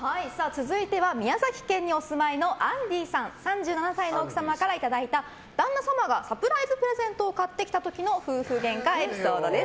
続いては宮崎県にお住まいのアンディーさん３７歳の奥様からいただいた旦那様がサプライズプレゼントを買ってきた時の夫婦げんかエピソードです。